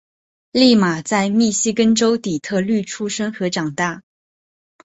俪玛在密西根州底特律出生和长大。